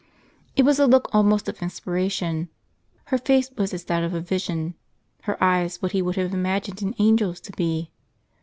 It was a look almost of in spiration ; her face was as that of a vision ; her eyes what he would have imagined an angel's to be.